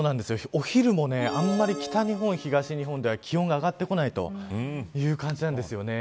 お昼も、あまり北日本、東日本では気温が上がってこないという感じなんです。